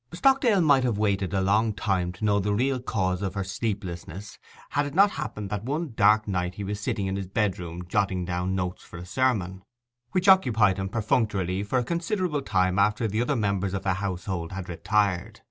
Stockdale might have waited a long time to know the real cause of her sleeplessness, had it not happened that one dark night he was sitting in his bedroom jotting down notes for a sermon, which occupied him perfunctorily for a considerable time after the other members of the household had retired.